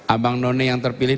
abang none yang terpilih